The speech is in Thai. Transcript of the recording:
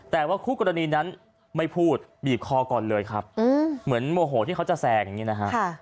แต่ว่าคู่กรณีนั้นไม่พูดบีบคอก่อนเลยครับเหมือนโมโหที่เขาจะแซงอย่างนี้นะฮะ